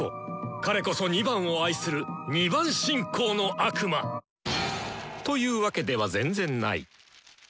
彼こそ２番を愛する２番信仰の悪魔！というわけでは全然ない。